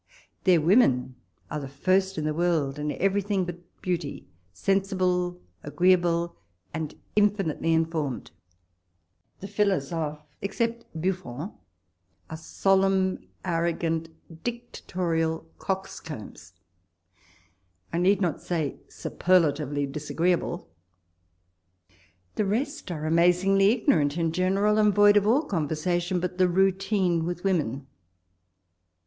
Their women are the first in the world in everything but beauty ; sensible, agreeable, and infinitely informed. The philnsophrs, except Buffon, are solemn, arrogant, dictatorial cox combs — I need not say superlatively disagree able. The rest are amazingly ignorant in general, and void of all conversation but the routine with women.